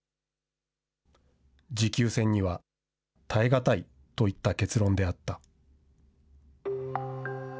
持久戦には堪え難いといった結論であった。